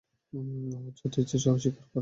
ওহ, যতো ইচ্ছা অস্বীকার করো।